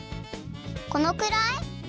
このくらい？